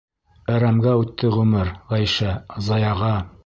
Әрәмгә үтте ғүмер, Ғәйшә, заяға!